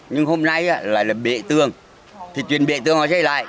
nhưng hôm nay lại là bệ tường thì chuyển bệ tường nó xây lại